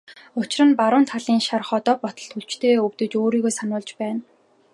Учир нь баруун талын шарх одоо болтол хүчтэй өвдөж өөрийгөө сануулж байна.